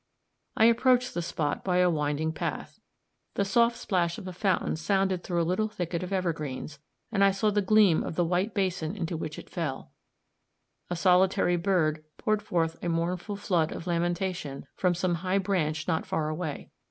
I approached the spot by a winding path; the soft plash of a fountain sounded through a little thicket of evergreens, and I saw the gleam of the wide basin into which it fell; a solitary bird poured forth a mournful flood of lamentation from some high branch not far away.